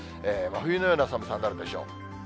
真冬のような寒さになるでしょう。